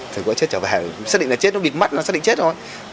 từ khỏi chết trở về xác định là chết nó bịt mắt xác định chết rồi